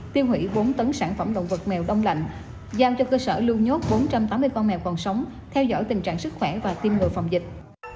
tiêu hủy bốn tấn sản phẩm động vật mèo đông lạnh giao cho cơ sở lưu nhốt bốn trăm tám mươi con mèo còn sống theo dõi tình trạng sức khỏe và tiêm ngừa phòng dịch